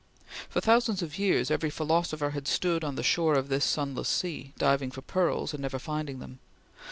For thousands of years every philosopher had stood on the shore of this sunless sea, diving for pearls and never finding them.